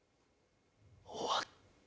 終わった。